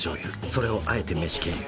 それをあえて飯経由。